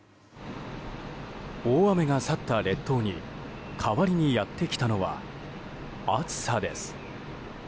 大雨が去った列島に代わりにやってきたのは暑さです。